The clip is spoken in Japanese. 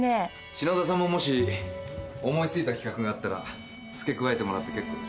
品田さんももし思いついた企画があったら付け加えてもらって結構ですよ。